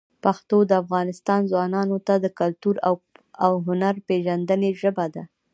پښتو د افغانستان ځوانانو ته د کلتور او هنر پېژندنې ژبه ده.